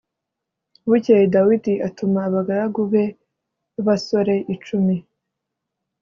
Bukeye Dawidi atuma abagaragu be b’abasore icumi